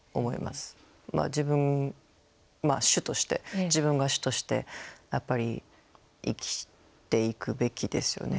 自分まあ主として自分が主としてやっぱり生きていくべきですよね。